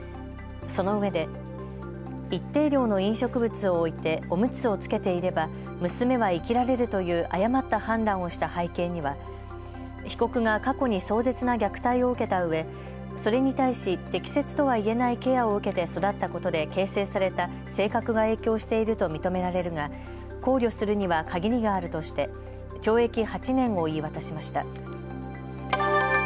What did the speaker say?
そのうえで一定量の飲食物を置いておむつをつけていれば娘は生きられるという誤った判断をした背景には被告が過去に壮絶な虐待を受けたうえ、それに対し適切とはいえないケアを受けて育ったことで形成された性格が影響していると認められるが考慮するには限りがあるとして懲役８年を言い渡しました。